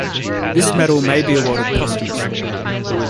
This medal may be awarded posthumously.